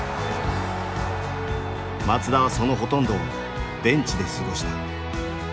松田はそのほとんどをベンチで過ごした。